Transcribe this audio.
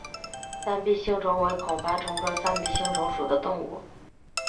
三臂星虫为孔盘虫科三臂星虫属的动物。